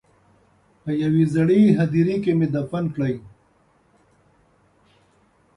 په یوې زړې هدیرې کې مې دفن کړې.